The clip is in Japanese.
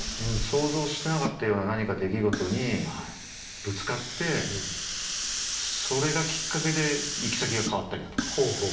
想像してなかったような何か出来事にぶつかってそれがきっかけで行き先が変わったりだとか。